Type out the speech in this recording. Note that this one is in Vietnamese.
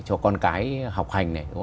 cho con cái học hành này